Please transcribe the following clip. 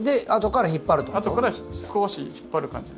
後から少し引っ張る感じで。